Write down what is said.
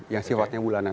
yang sifatnya bulanan